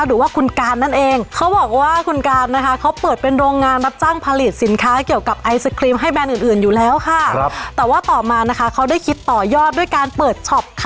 ๒หนุ่มนะคะพากันไปดวยล่ะคุณผู้ชมค่ะแม่หรอจะน้อยหน้าไม่ยอมหรอกค่ะ